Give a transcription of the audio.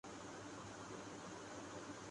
ان کی زبان و بیان کی خاص خوبی یہی تشبیہات ہی